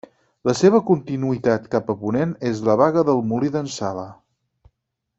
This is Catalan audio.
La seva continuïtat cap a ponent és la Baga del Molí d'en Sala.